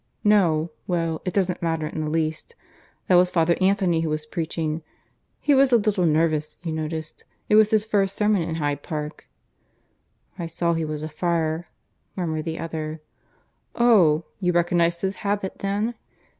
No! Well, it doesn't matter in the least. That was Father Anthony who was preaching. He was a little nervous, you noticed. It was his first sermon in Hyde Park." "I saw he was a friar," murmured the other. "Oh! you recognized his habit then?